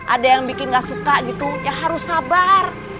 ada yang bikin gak suka gitu ya harus sabar